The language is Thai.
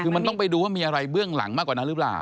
คือมันต้องไปดูว่ามีอะไรเบื้องหลังมากกว่านั้นหรือเปล่า